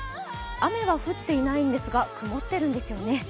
雨は降っていないんですが、曇っているんですよね。